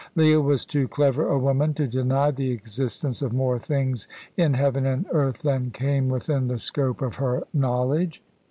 Leah was too clever a woman to deny the existence of more things in heaven and earth than came within the scope of her knowledge.